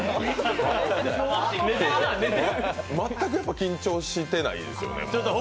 全く緊張してないですよね。